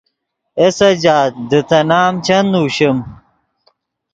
اے سجاد دے تے نام چند نوشیم۔